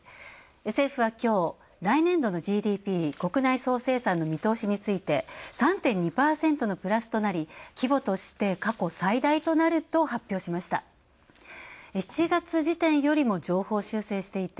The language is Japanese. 政府は、きょう、来年度のＧＤＰ＝国内総生産の見通しについて３．２％のプラスとなり、規模として過去最大となると発表しました。